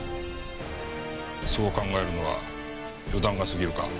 そう考えるのは予断が過ぎるか？